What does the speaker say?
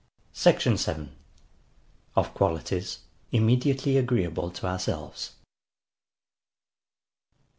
SECTION VII. OF QUALITIES IMMEDIATELY AGREEABLE TO OURSELVES.